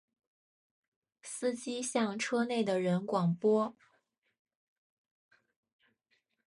司机向车内的人广播